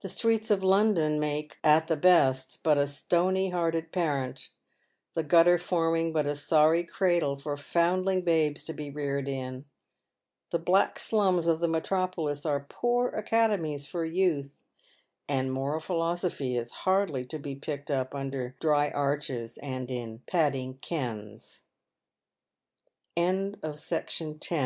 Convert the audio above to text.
The streets of London make, at the best, but a stony hearted parent, the gutter forming but a sorry cradle for foundling babes to be reared in. The " back slums " of the metropolis are poor academies for youth, and moral philosophy is hardly to be picked up under " dry ar